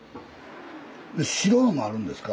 白のもあるんですか？